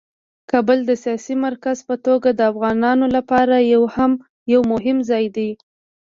کابل د سیاسي مرکز په توګه د افغانانو لپاره یو مهم ځای دی.